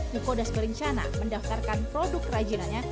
mukodas berencana mendaftarkan produk rajinanya